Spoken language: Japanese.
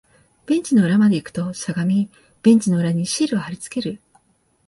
ベンチの裏まで行くと、しゃがみ、ベンチの裏にシールを貼り付ける